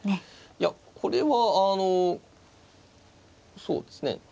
いやこれはあのそうですね。